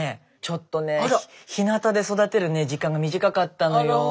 ちょっとねひなたで育てるね時間が短かったのよ。